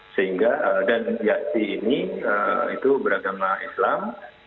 sehingga dan yasti ini itu beragama islam